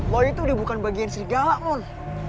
wah itu udah bukan bagian serigala mon